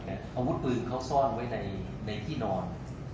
แต่อาวุธปืนเขาซ่อนไว้ในที่นอน